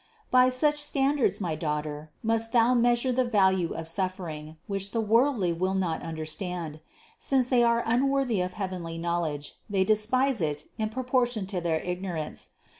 675. By such standards, my daughter, must thou' measure the value of suffering, which the worldly will not understand. Since they are unworthy of heavenly knowledge, they despise it in proportion to their igno rance.